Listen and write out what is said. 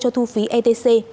cho thu phí etc